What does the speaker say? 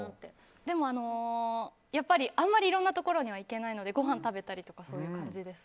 でも、あまりいろんなところには行けないのでごはんを食べたりとかそういう感じです。